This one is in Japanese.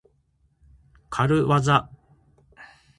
かるわざ。